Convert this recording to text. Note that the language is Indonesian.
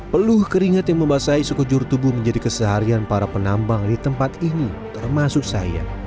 peluh keringat yang membasahi sekejur tubuh menjadi keseharian para penambang di tempat ini termasuk saya